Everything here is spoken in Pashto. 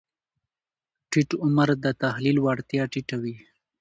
ټیټ عمر د تحلیل وړتیا ټیټه وي.